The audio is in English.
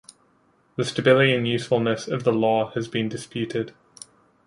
The stability and usefulness of the law has been disputed.